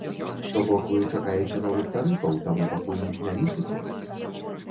То бок вы чакаеце новых тарыфаў, таму пакуль не лічыце?